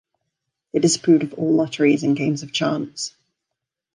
They disapproved of all lotteries and games of chance.